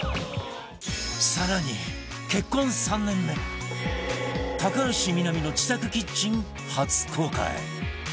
更に結婚３年目高橋みなみの自宅キッチン初公開